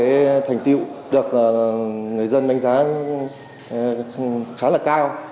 có nhiều cái thành tựu được người dân đánh giá khá là cao